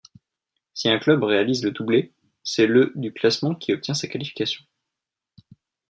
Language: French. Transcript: Si un club réalise le doublé, c'est le du classement qui obtient sa qualification.